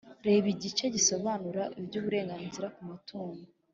reba igice gisobanura iby’uburenganzira ku mutungo